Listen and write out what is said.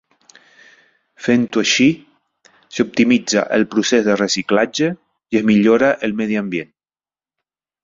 Fent-ho així, s'optimitza el procés de reciclatge i es millora el medi ambient.